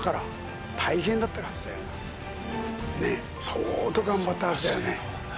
相当頑張ったはずだよね。